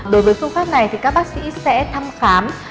đối với phương pháp này thì các bác sĩ sẽ thăm khám